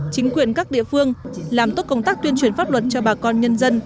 chính quyền các địa phương làm tốt công tác tuyên truyền pháp luật cho bà con nhân dân